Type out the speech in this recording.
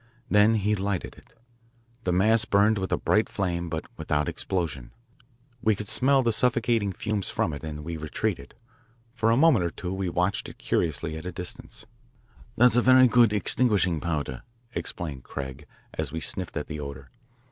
Then he lighted it. The mass burned with a bright flame but without explosion. We could smell the suffocating fumes from it, and we retreated. For a moment or two we watched it curiously at a distance. "That's very good extinguishing powder," explained Craig as we sniffed at the odour.